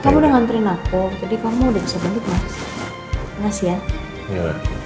kamu udah nganterin aku jadi kamu udah bisa bentuk mas